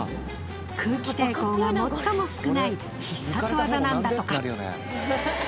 空気抵抗が最も少ない必殺技なんだとか。